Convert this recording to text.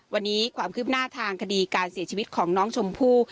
วันนี้ความคืบหน้าทางคดีการเสียชีวิตของน้องชมพู่